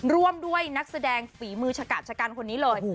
ร่วมด้วยนักแสดงฝีมือชะกาดชะกันคนนี้เลย